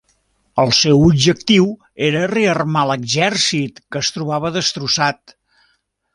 El seu objectiu era rearmar l'exèrcit que es trobava destrossat.